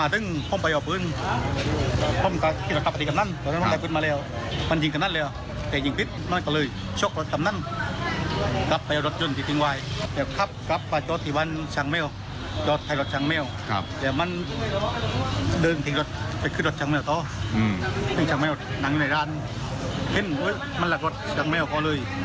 เดินทิ้งรถไปขึ้นรถชังแมวต่ออืมนั่งอยู่ในร้านเห็นว่ามันหลักรถชังแมวพอเลย